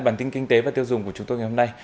bản tin kinh tế và tiêu dùng của chúng tôi ngày hôm nay